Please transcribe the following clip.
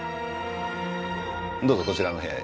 どうぞこちらの部屋へ。